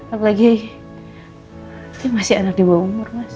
apalagi ini masih anak di bawah umur mas